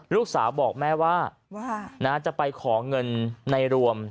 ลูกสาวบอกแม่ว่าจะไปขอเงินในรวม